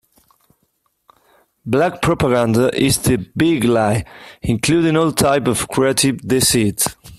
Black propaganda is the "big lie", including all types of creative deceit.